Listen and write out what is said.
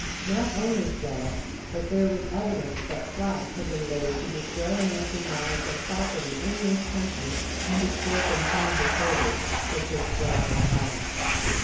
Not only so, but there was evidence that plots had been laid to destroy American lives and property in this country and to stir up internal disorders, such as strikes and riots.